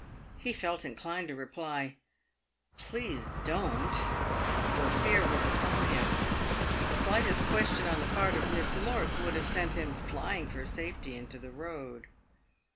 He felt inclined to reply, " Please don't," for fear was upon him. The slightest question on the part of Miss Lorts would have sent him flying for safety into the road.